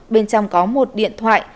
bên trong có một điện thoại